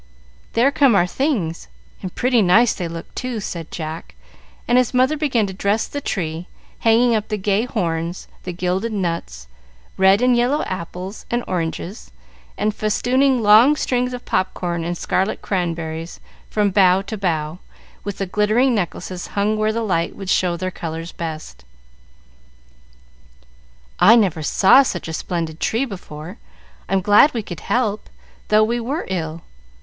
"There come our things, and pretty nice they look, too," said Jack; and his mother began to dress the tree, hanging up the gay horns, the gilded nuts, red and yellow apples and oranges, and festooning long strings of pop corn and scarlet cranberries from bough to bough, with the glittering necklaces hung where the light would show their colors best. "I never saw such a splendid tree before. I'm glad we could help, though we were ill.